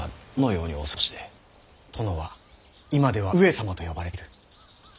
殿は今では「上様」と呼ばれている。